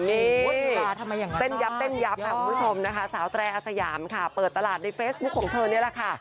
นี่เต้นยับเต้นยับค่ะคุณผู้ชมนะคะสาวแตรอาสยามค่ะเปิดตลาดในเฟซบุ๊คของเธอนี่แหละค่ะ